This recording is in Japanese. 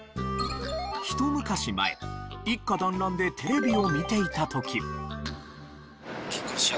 ひと昔前一家団らんでテレビを見ていた時。